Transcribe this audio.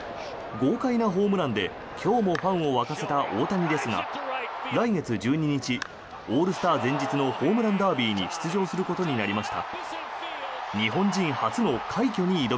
豪快なホームランで今日もファンを沸かせた大谷ですが来月１２日、オールスター前日のホームランダービーに出場することになりました。